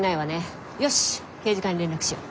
よし刑事課に連絡しよう。